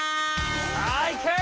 さあいけ！